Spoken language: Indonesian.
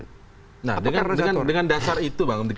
nah dengan dasar itu bang